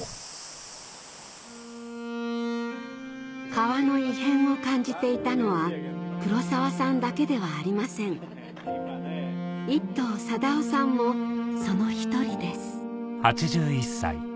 川の異変を感じていたのは黒澤さんだけではありません一藤貞男さんもその１人です